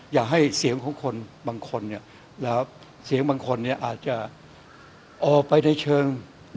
อยากให้เสียงของบางคนอาจจะออกไปในเชิง